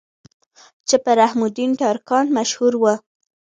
چې پۀ رحم الدين ترکاڼ مشهور وو